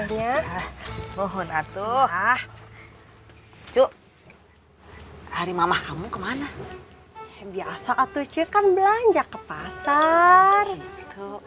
hai ah mohon atuh ah hai cuk hari mamah kamu kemana biasa atuh cekan belanja ke pasar itu